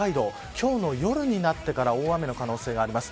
今日の夜になってから大雨の可能性が出ます。